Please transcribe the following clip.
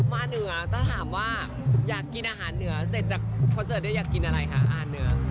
มาเหนือถ้าถามว่าอยากกินอาหารเหนือเสร็จจากคอนเสิร์ตเนี่ยอยากกินอะไรคะอ่านเหนือ